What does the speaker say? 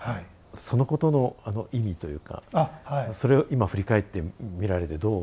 そのことの意味というかそれを今振り返ってみられてどう。